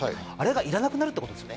あれがいらなくなるってことですね。